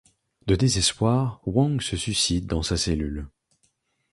De désespoir, Wang se suicide dans sa cellule.